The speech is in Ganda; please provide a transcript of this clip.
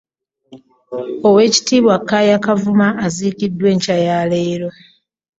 Oweekitiibwa Kkaaya Kavuma aziikiddwa enkya ya leero